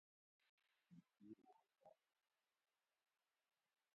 تن تھی ووئ مٞہ دِیر وا گاٞ